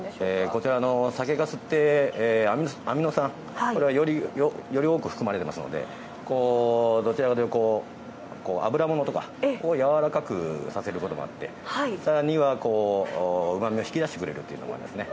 こちらの酒かすってアミノ酸これがより多く含まれてますのでどちらかというと油物とかをやわらかくさせることもあって更にはうまみを引き出してくれるというのもありますね。